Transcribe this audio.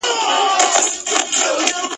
انټرنیټ د زده کړو مرسته کوي.